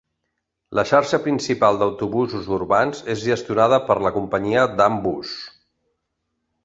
La xarxa principal d'autobusos urbans és gestionada per la companyia Dan Bus.